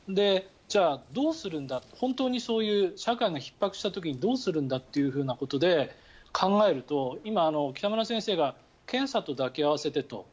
じゃあ、どうするんだって本当に社会がひっ迫した時にどうするんだっていうふうなことで考えると今、北村先生が検査と抱き合わせでと。